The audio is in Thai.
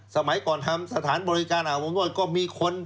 สมัยก่อนทำสถานบริการอาวุธนวัฒน์ก็มีคน